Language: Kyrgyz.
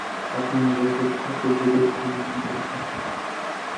Админресурска көбүрөөк көңүл бурушмак.